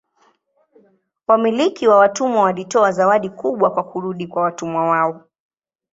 Wamiliki wa watumwa walitoa zawadi kubwa kwa kurudi kwa watumwa wao.